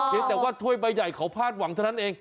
แต่ว่าถ้วยใบใหญ่เขาพลาดหวังเท่านั้นเอง